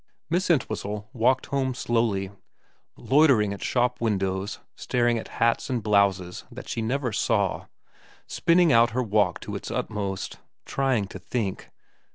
Miss Entwhistle walked home slowly, loitering at shop windows, staring at hats and blouses that she never saw, spinning out her walk to its utmost, trying to think.